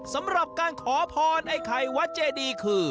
สำหรับการขอพรไอ้ไข่วัดเจดีคือ